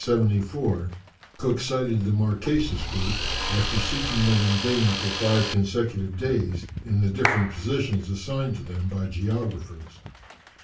] On the 7th of April, 1774, Cook sighted the Marquesas group, after seeking them in vain for five consecutive days in the different positions assigned to them by geographers.